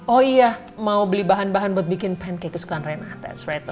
oh iya mau beli bahan bahan buat bikin pancake kesukaan rina that's right